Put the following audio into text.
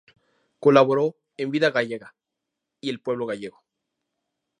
Colaboró en "Vida Gallega" y El Pueblo Gallego".